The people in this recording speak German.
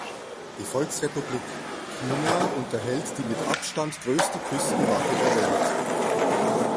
Die Volksrepublik China unterhält die mit Abstand größte Küstenwache der Welt.